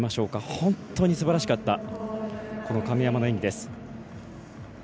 本当にすばらしかったこの亀山の演技です。